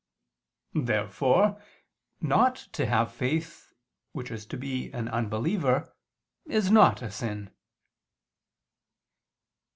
Therefore not to have faith, which is to be an unbeliever, is not a sin.